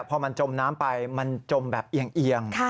พอมันจมน้ำไปมันจมแบบเอียง